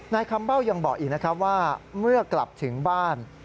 นายคำเบ้ายังบอกอีกนะครับว่าเมื่อกลับถึงบ้าน